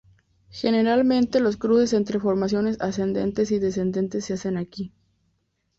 Generalmente los cruces entre formaciones ascendentes y descendentes se hacen aquí.